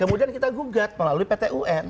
kemudian kita gugat melalui pt un